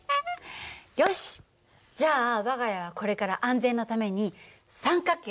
よしじゃあ我が家はこれから安全のために三角形を取り入れましょう。